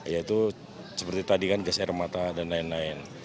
yaitu seperti tadi kan geser mata dan lain lain